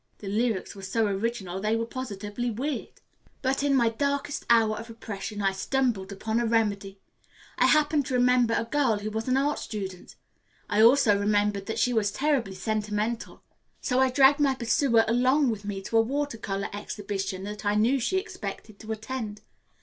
The lyrics were so original they were positively weird. "But in my darkest hour of oppression I stumbled upon a remedy. I happened to remember a girl who was an art student. I also remembered that she was terribly sentimental. So I dragged my pursuer along with me to a water color exhibition that I knew she expected to attend.